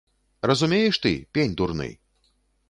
Разумееш ты, пень дурны?